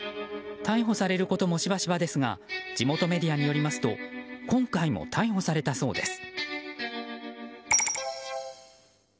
逮捕されることもしばしばですが地元メディアによりますと今回も逮捕されたそうです。